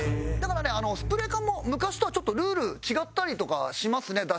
だからねスプレー缶も昔とはちょっとルール違ったりとかしますね